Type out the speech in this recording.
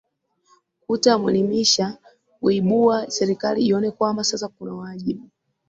kuta mwelimisha kuiibuwa serikali ione kwamba sasa kuna wajibu